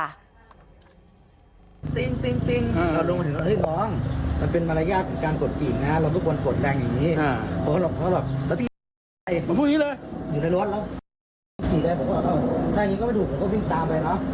ถ้าแค่นี้ก็ไม่ถูกก็ขึ้นตามไปเนอะ